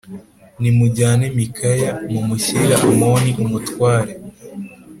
Nimujyane Mikaya mumushyire Amoni umutware